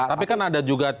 tapi kan ada juga